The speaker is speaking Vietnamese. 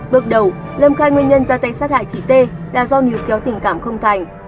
bước đầu lâm khai nguyên nhân ra tay sát hại chị t là do níu kéo tình cảm không thành